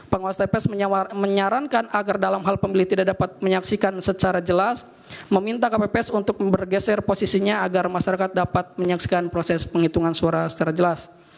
penguasa tps menyarankan agar dalam hal pembeli tidak dapat menyaksikan secara jelas meminta kpps untuk bergeser posisinya agar masyarakat dapat menyaksikan proses penghitungan suara secara jelas